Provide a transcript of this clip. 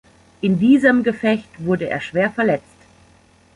In diesem Gefecht wurde er schwer verletzt.